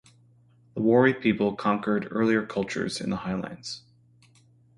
The Wari' people conquered earlier cultures in the highlands.